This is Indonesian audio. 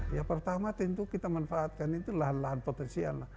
yang pertama tentu kita manfaatkan lahan lahan potensial